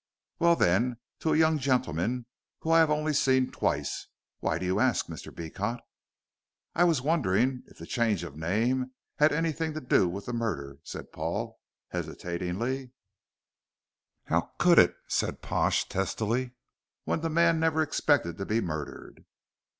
"Well, then, to a young gentleman whom I have only seen twice. Why do you ask, Mr. Beecot?" "I was wondering if the change of name had anything to do with the murder," said Paul, hesitating. "How could it," said Pash, testily, "when the man never expected to be murdered?"